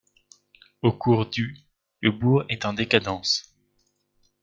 Au cours du le bourg est en décadence.